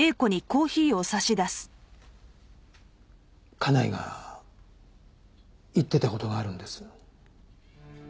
家内が言ってた事があるんです。